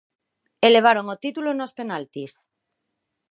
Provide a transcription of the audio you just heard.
E levaron o título nos penaltis.